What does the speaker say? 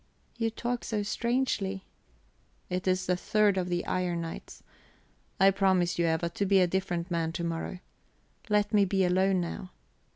"You talk so strangely." "It is the third of the iron nights. I promise you, Eva, to be a different man to morrow. Let me be alone now.